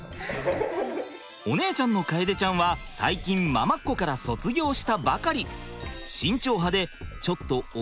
お姉ちゃんの楓ちゃんは最近ママっ子から卒業したばかり。